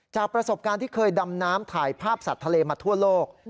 จากประสบการณ์ที่เคยดำน้ำถ่ายภาพสัตว์ทะเลมาทั่วโลก